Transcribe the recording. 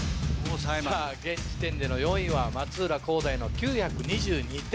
現時点での４位は松浦航大の９２２点。